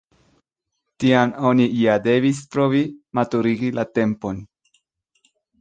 Tiam oni ja devis provi maturigi la tempon.